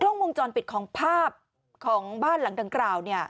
ลวงจรปิดของภาพของบ้านหลังดังกล่าวเนี่ย